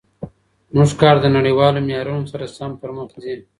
زموږ کار د نړیوالو معیارونو سره سم پرمخ ځي.